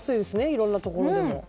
いろんなところでも。